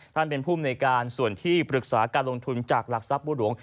ท่านเป็นภูมิในการส่วนที่ปรึกษาการลงทุนจากหลักทรัพย์บัวหลวง